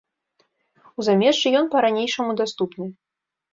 У замежжы ён па-ранейшаму даступны.